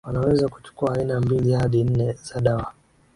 Wanaweza kuchukua aina mbili hadi nne za dawa